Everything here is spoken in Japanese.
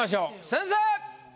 先生！